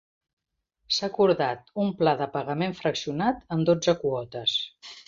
S'ha acordat un pla de pagament fraccionat en dotze quotes.